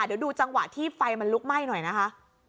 เดี๋ยวดูจังหวะที่ไฟมันลุกไหม้หน่อยนะคะ